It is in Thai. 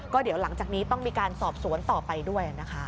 ก็เดี๋ยวหลังจากนี้ต้องมีการสอบสวนต่อไปด้วยนะคะ